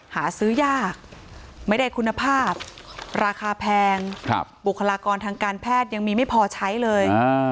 หาซื้อยากไม่ได้คุณภาพราคาแพงบุคลากรทางการแพทย์ยังมีไม่พอใช้เลย